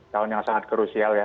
tahun yang sangat krusial ya